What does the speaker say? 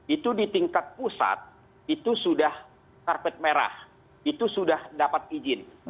itu di tingkat pusat itu sudah karpet merah itu sudah dapat izin